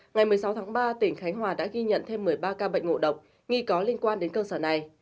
ngày một mươi sáu tháng ba tỉnh khánh hòa đã ghi nhận thêm một mươi ba ca bệnh ngộ độc nghi có liên quan đến cơ sở này